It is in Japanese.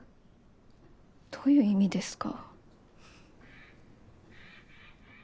どういう意味ですか？